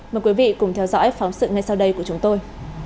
mời quý vị cùng theo dõi phóng sự ngay sau đây của chúng tôi